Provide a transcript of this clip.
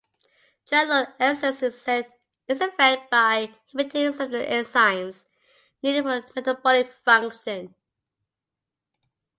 Juglone exerts its effect by inhibiting certain enzymes needed for metabolic function.